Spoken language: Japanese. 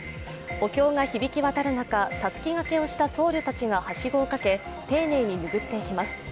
お経が響き渡る中、たすき掛けをした僧侶たちがはしごをかけ、丁寧に拭っていきます。